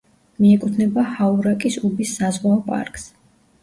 მიეკუთვნება ჰაურაკის უბის საზღვაო პარკს.